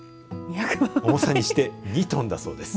重さにして２トンだそうです。